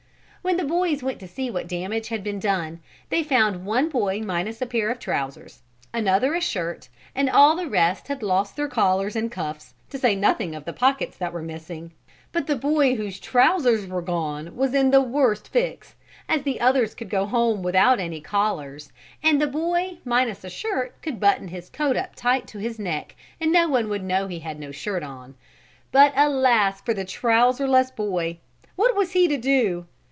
When the boys went to see what damage had been done they found one boy minus a pair of trousers, another a shirt and all the rest had lost their collars and cuffs to say nothing of the pockets that were missing. But the boy whose trousers were gone was in the worst fix, as the others could go home without any collars and the boy minus a shirt could button his coat up tight to his neck and no one would know he had no shirt on. But alas for the trouserless boy! What was he to do?